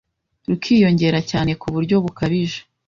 rukiyongera cyane kuburyo bukabije